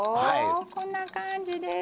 こんな感じです。